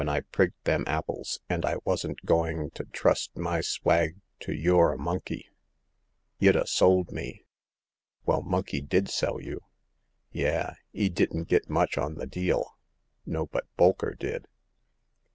201 I prigged them apples, an' I wasn't going to trust my swag to y* or Monkey. Y'd ha' sold me." " Well, Monkey did sell you." " Yah ! 'e didn't get much on th' deal !"" No ; but Bolker did."